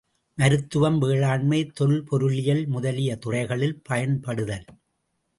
மருத்துவம், வேளாண்மை, தொல் பொருளியல் முதலிய துறைகளில் பயன்படுதல்.